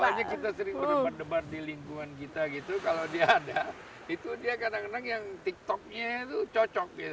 makanya kita sering berdebar debar di lingkungan kita gitu kalau dia ada itu dia kadang kadang yang tiktoknya itu cocok gitu